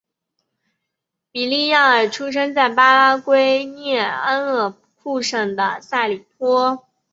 比利亚尔出生在巴拉圭涅恩布库省的塞里托。